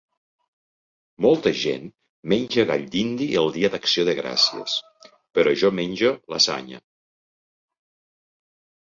Molta gent menja gall dindi el Dia d'Acció de Gràcies, però jo menjo lasanya.